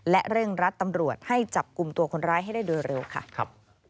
และเร่งรัดตำรวจให้จับกลุ่มตัวคนร้ายให้ได้โดยเร็วค่ะ